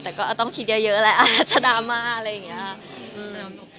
แต่ก็ต้องคิดยัยเยอะจะดราม่าอะไรอย่างนี้ครับ